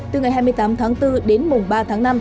từ ngày hai mươi tám tháng bốn đến mùng ba tháng năm